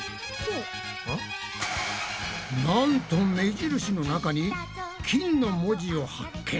なんと目印の中に「筋」の文字を発見！